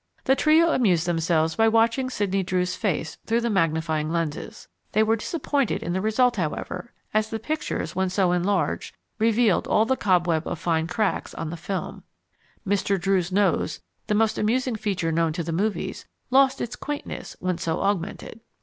The trio amused themselves by watching Sidney Drew's face through the magnifying lenses. They were disappointed in the result, however, as the pictures, when so enlarged, revealed all the cobweb of fine cracks on the film. Mr. Drew's nose, the most amusing feature known to the movies, lost its quaintness when so augmented.